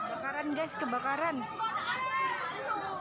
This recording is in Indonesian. di tahapmost bengkel abadigo jika mah iklan pemadam orang orang